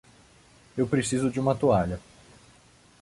Eu preciso de uma toalha.